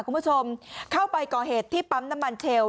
คุณผู้ชมเข้าไปก่อเหตุที่ปั๊มน้ำมันเชลล